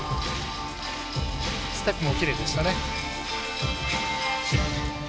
ステップもきれいでしたね。